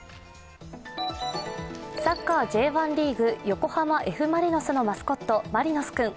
サッカーＪ１リーグ横浜Ｆ・マリノスのマスコット、マリノス君。